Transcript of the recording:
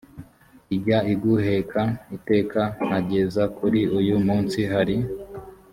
ijya iguheka iteka nkageza kuri uyu munsi hari